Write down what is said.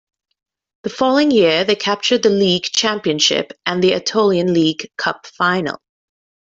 The following year they captured the League Championship and the Aetolian League Cup Final.